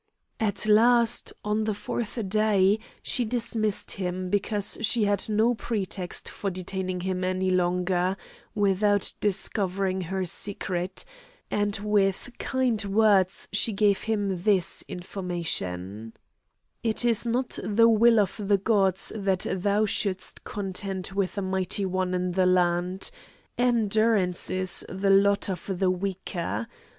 At last, on the fourth day, she dismissed him, because she had no pretext for detaining him any longer, without discovering her secret, and with kind words she gave him this information: "It is not the will of the gods that thou shouldst contend with a mighty one in the land; endurance is the lot of the weaker.